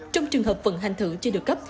trong trường hợp vận hành thử chưa được cấp